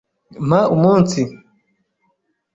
Mpa umunsi.